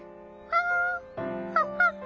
ハ。ハハハ。